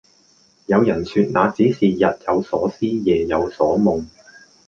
有人說那只是日有所思夜有所夢